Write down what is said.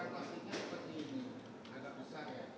plastik hitamnya yang dua